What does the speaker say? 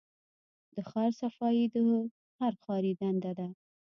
د ښار صفايي د هر ښاري دنده ده.